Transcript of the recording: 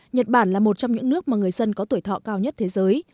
nhật bản là một trong những nước mà người dân có tuổi thọ cao nhất thế giới